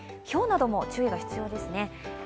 ひょうなども注意が必要ですね。